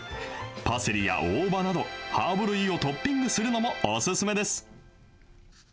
パセリや大葉などハーブ類をトッピングするのもお勧めです。